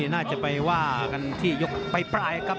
น่าจะไปว่ากันที่ยกปลายครับ